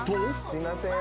すいません。